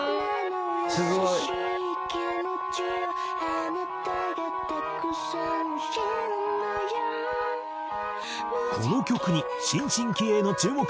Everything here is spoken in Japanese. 「すごい」この曲に新進気鋭の注目